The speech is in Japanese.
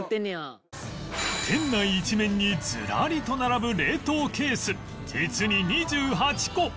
店内一面にずらりと並ぶ冷凍ケース実に２８個！